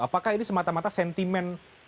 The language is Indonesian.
apakah ini semata mata sentimen